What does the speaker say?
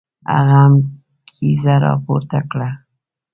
هغه هم کیزه را پورته کړه.